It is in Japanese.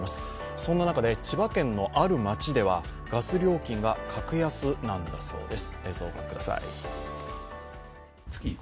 そんな中で千葉県のある町ではガス料金が格安なんだそうです。